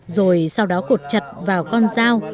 rồi sau đó cột chặt vào con dao